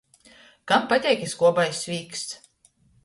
Kam pateik i skobais svīksts!